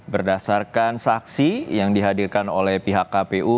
berdasarkan saksi yang dihadirkan oleh pihak kpu